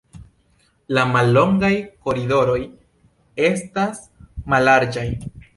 La mallongaj koridoroj estas mallarĝaj.